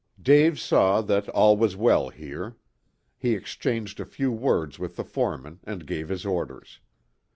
Dave saw that all was well here. He exchanged a few words with the foreman, and gave his orders.